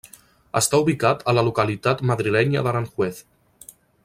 Està ubicat a la localitat madrilenya d'Aranjuez.